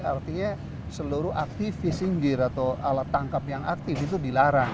artinya seluruh aktivis singgir atau alat tangkap yang aktif itu dilarang